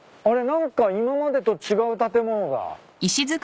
何か今までと違う建物だ。